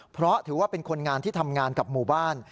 เพราะถือว่าเป็นคนงานที่ทำงานกับหมู่บ้าน